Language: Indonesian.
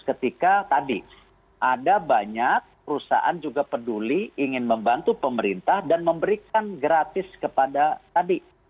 ketika tadi ada banyak perusahaan juga peduli ingin membantu pemerintah dan memberikan gratis kepada tadi